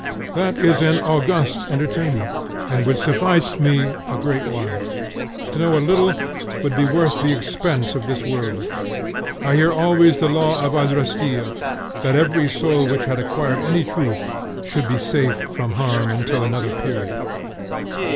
That is an august entertainment, and would suffice me a great while. To know a little would be worth the expense of this world. I hear always the law of Adrastia, "that every soul which had acquired any truth, should be safe from harm until another period."